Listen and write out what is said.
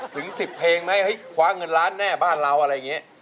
ถึง๑๐เพลงไหมให้คว้าเงินล้านแน่บ้านเราอะไรอย่างนี้